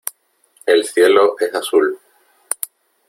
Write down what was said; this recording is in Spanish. El cielo es azul.